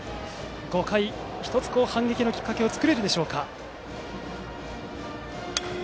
５回、１つ反撃のきっかけを作れるか。